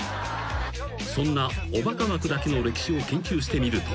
［そんなおバカ枠だけの歴史を研究してみると］